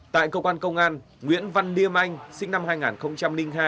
tại công an công an nguyễn văn điêm anh sinh năm hai nghìn hai